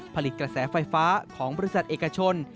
ผลิตกระแสไฟฟ้าของบริษัทเอกชน